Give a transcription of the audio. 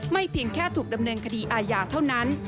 เพียงแค่ถูกดำเนินคดีอาญาเท่านั้น